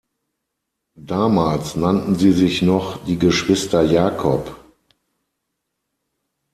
Damals nannten sie sich noch die "Geschwister Jacob".